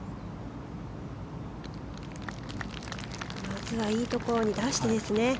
まずはいいところに出してですね。